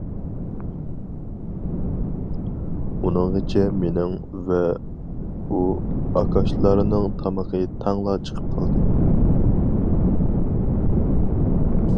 ئۇنىڭغىچە مىنىڭ ۋە ئۇ ئاكاشلارنىڭ تامىقى تەڭلا چىقىپ قالدى.